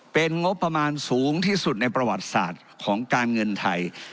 เป็นงบประมาณสูงที่สุดในประวัติศาสตร์ของการเงินไทย